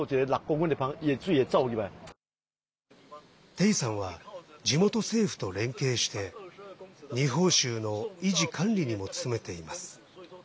丁さんは地元政府と連携して二峰しゅうの維持・管理にも努めています。